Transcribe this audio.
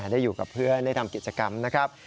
ได้อยู่กับเพื่อนได้ทำกิจกรรมนะครับ